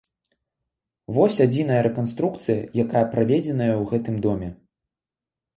Вось адзіная рэканструкцыя, якая праведзеная ў гэтым доме.